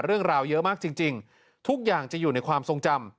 เรื่องราวเยอะมากจริงทุกอย่างจะอยู่ในความทรงจำ